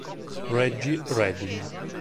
Reggie Redding